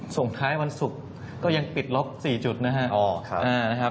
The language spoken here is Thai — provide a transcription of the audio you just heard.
ส่งท้ายวันศุกร์ก็ยังปิดล็อก๔จุดนะครับ